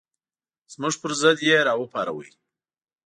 زموږ پر ضد یې راوپاروئ.